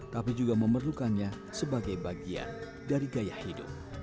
tapi juga memerlukannya sebagai bagian dari gaya hidup